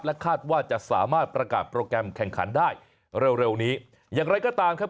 คาดว่าจะสามารถประกาศโปรแกรมแข่งขันได้เร็วเร็วนี้อย่างไรก็ตามครับ